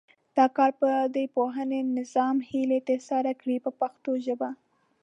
دا کار به د پوهنې نظام هیلې ترسره کړي په پښتو ژبه.